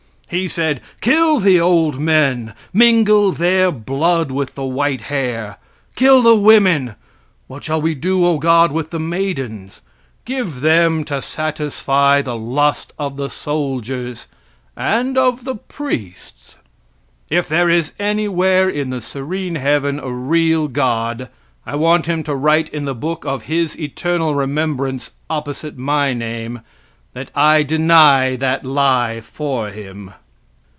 He said, kill the old men; mingle their blood with the white hair. Kill the women. But what shall we do, O God, with the maidens? Give them to satisfy the lust of the soldiers and of the priests! If there is anywhere in the serene heaven a real God. I want him to write in the book of His eternal remembrance, opposite my name, that I deny that lie for Him.